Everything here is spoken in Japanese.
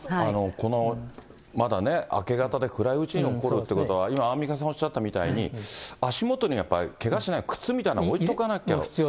このまだね、明け方で暗いうちに起こるということは、今アンミカさんおっしゃったみたいに、足元にやっぱりけがしない靴みたいの置いとかなきゃ。